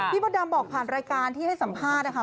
มดดำบอกผ่านรายการที่ให้สัมภาษณ์นะคะ